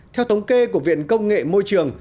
theo tống kê của viện công nghệ môi trường